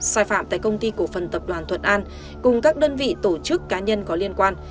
sai phạm tại công ty cổ phần tập đoàn thuận an cùng các đơn vị tổ chức cá nhân có liên quan